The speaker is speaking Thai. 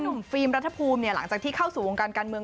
กลุ่มฟิร์มรัฐภูมิเนี่ยหลังจากที่เข้าสู่วงการการเมือง